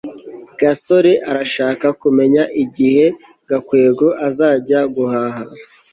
gasore arashaka kumenya igihe gakwego azajya guhaha